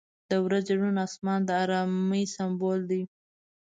• د ورځې روڼ آسمان د آرامۍ سمبول دی.